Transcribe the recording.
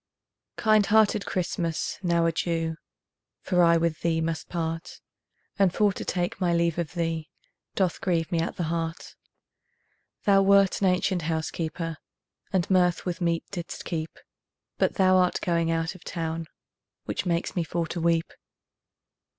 Kind hearted Christmas, now adieu, For I with thee must part, And for to take my leave of thee Doth grieve me at the heart; Thou wert an ancient housekeeper, And mirth with meat didst keep, But thou art going out of town, Which makes me for to weep.